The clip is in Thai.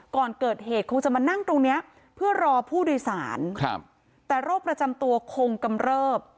ก่อนเกิดเหตุคงจะมานั่งตรงเนี้ยเพื่อรอผู้โดยสารครับแต่โรคประจำตัวคงกำเริบ